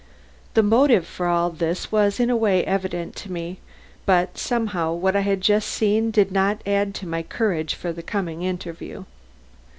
The motive for all this was in a way evident to me, but somehow what I had just seen did not add to my courage for the coming interview.